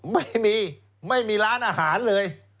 ไม่มีไม่มีร้านอาหารเลย